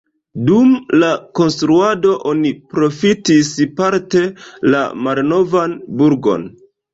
Dum la konstruado oni profitis parte la malnovan burgon.